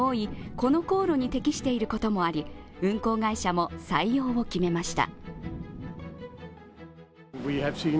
この航路に適していることもあり、運航会社も採用を決めました。